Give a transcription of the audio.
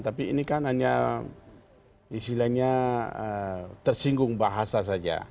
tapi ini kan hanya istilahnya tersinggung bahasa saja